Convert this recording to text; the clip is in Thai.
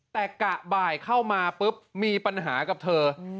แต่กะบ่ายเข้ามาปุ๊บมีปัญหากับเธอ